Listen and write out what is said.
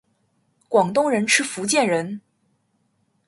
广东人吃福建人！